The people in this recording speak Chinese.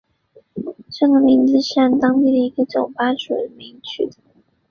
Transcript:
这个名字是按当地的一个酒吧主人命名的。